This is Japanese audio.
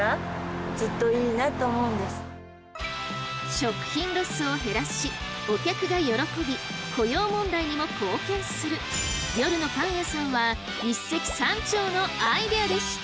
食品ロスを減らしお客が喜び雇用問題にも貢献する夜のパン屋さんは一石三鳥のアイデアでした！